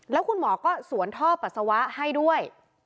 แล้วคุณหมอก็สวนท่อปัสสาวะให้ด้วย